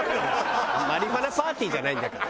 マリフアナパーティーじゃないんだから。